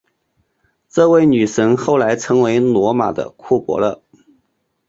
这位女神后来成为罗马的库柏勒。